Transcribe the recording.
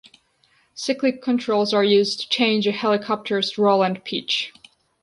Cyclic controls are used to change a helicopter's roll and pitch.